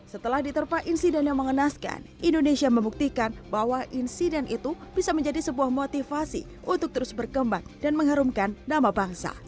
setelah diterpa insiden yang mengenaskan indonesia membuktikan bahwa insiden itu bisa menjadi sebuah motivasi untuk terus berkembang dan mengharumkan nama bangsa